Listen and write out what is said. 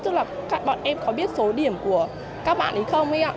tức là các bạn em có biết số điểm của các bạn ý không ý ạ